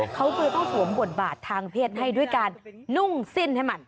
เขาคือต้องสวมบทบาททางเพศให้ด้วยการนุ่งสิ้นให้มัน